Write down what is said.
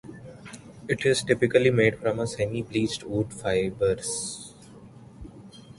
It is typically made from semi-bleached wood fibres.